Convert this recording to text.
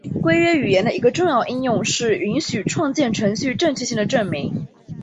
规约语言的一个重要应用是允许创建程序正确性的证明。